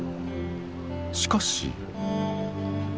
しかし。